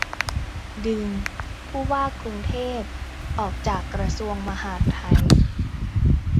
ดึง ผู้ว่ากรุงเทพ ออกจากกระทรวงมหาดไทย